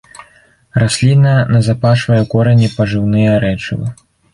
Расліна назапашвае ў корані пажыўныя рэчывы.